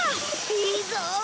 いいぞ！